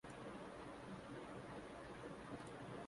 وادیٔ سندھ کی تہذیب کے عظیم شہر پر بہت کام ہوا ہے